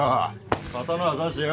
刀ぁ差してよ